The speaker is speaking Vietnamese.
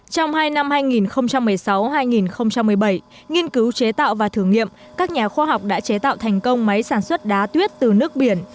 trong hai năm hai nghìn một mươi sáu hai nghìn một mươi bảy nghiên cứu chế tạo và thử nghiệm các nhà khoa học đã chế tạo thành công máy sản xuất đá tuyết từ nước biển